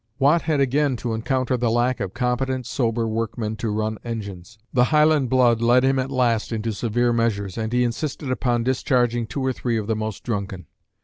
Watt had again to encounter the lack of competent, sober workmen to run engines. The Highland blood led him at last into severe measures, and he insisted upon discharging two or three of the most drunken.